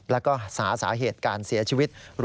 แล้วก็หาสาเหตุการเสียชีวิต